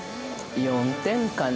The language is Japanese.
◆４点かな。